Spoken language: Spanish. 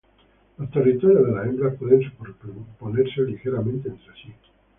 Los territorios de las hembras pueden superponerse ligeramente entre sí.